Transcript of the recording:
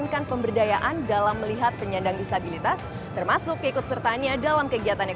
dan lebih terutama diajari dan diinstruksi oleh pekerja yang berkembang